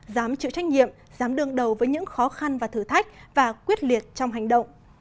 dám chịu trách nhiệm dám đương đầu với những khó khăn và thử thách và quyết liệt trong hành động